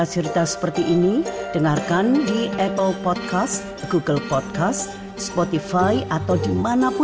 selamat hari bahasa ibu